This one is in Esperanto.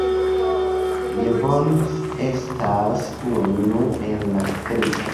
Jevons estas unu el la tri.